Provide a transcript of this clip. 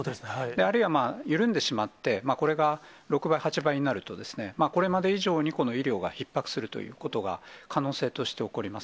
あるいは緩んでしまって、これが６倍、８倍になると、これまで以上にこの医療がひっ迫するということが、可能性として起こります。